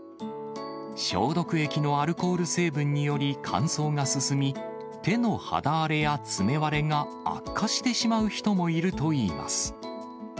消毒液のアルコール成分により乾燥が進み、手の肌荒れや爪割れが悪化してしまう人もいるといいます。